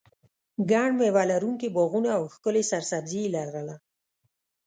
ګڼ مېوه لرونکي باغونه او ښکلې سرسبزي یې لرله.